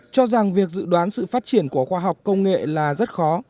cho rằng việc dự đoán sự phát triển của khoa học công nghệ là rất khó